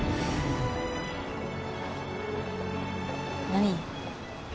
何？